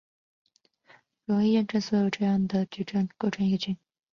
容易验证所有这样的矩阵构成一个群。